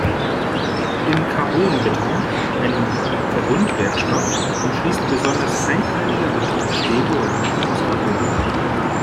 Im Carbonbeton, einem Verbundwerkstoff, umschließt besonders feinkörniger Beton Stäbe oder Matten aus Carbon.